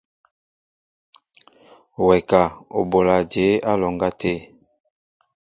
Wɛ ka , o bola jěbá á alɔŋgá tê?